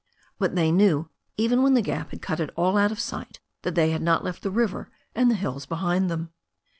But they knew, even when the gap had cut it all out of sight, that they had not left the river and the hills behind them.